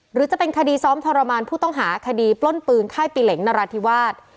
หรือจะเป็นคดีซ้อมทรมานผู้ต้องหาคดีปล้นปืนค่ายปีเหล็งนราธิวาส